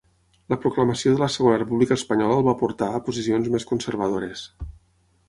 La proclamació de la Segona República Espanyola el va portar a posicions més conservadores.